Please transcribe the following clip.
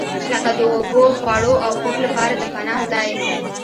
لکه د اوبو، خوړو او خوب لپاره د پناه ځای.